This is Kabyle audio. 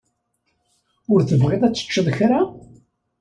Ur tebɣiḍ ad tecceḍ kra?